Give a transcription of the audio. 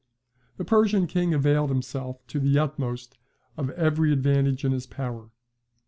The Persian king availed himself to the utmost of every advantage in his power.